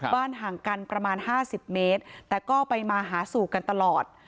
ห่างกันประมาณ๕๐เมตรแต่ก็ไปมาหาสู่กันตลอด